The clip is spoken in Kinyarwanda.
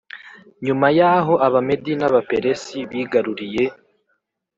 nyuma y aho Abamedi n Abaperesi bigaruriye